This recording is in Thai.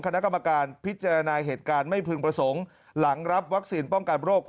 คณะกรรมการพิจารณาเหตุการณ์ไม่พึงประสงค์หลังรับวัคซีนป้องกันโรค